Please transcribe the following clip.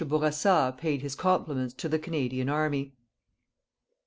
BOURASSA PAID HIS COMPLIMENTS TO THE CANADIAN ARMY.